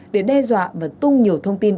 để đe dọa và tung nhiều thông tin